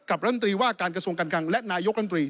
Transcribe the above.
รัฐมนตรีว่าการกระทรวงการคลังและนายกรัฐมนตรี